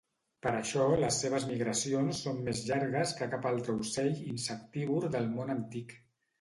Per això les seves migracions són més llargues que cap altre ocell insectívor del món antic.